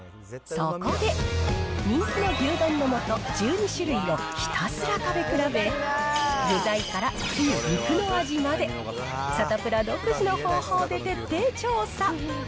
そこで、人気の牛丼の素１２種類をひたすら食べ比べ、具材から、つゆ、肉の味まで、サタプラ独自の方法で徹底調査。